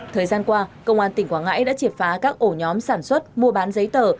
thời gian qua công an tỉnh quảng ngãi đã triệt phá các ổ nhóm sản xuất mua bán giấy tờ